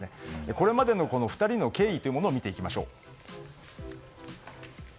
これまでの２人の経緯を見ていきましょう。